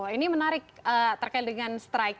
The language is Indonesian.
ini menarik terkait dengan strike